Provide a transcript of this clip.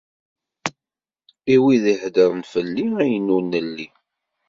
I wid iheddren fell-i ayen ur nelli.